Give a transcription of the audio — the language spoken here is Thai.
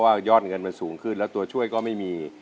ยอดเงินมันสูงขึ้นแล้วตัวช่วยก็ไม่มี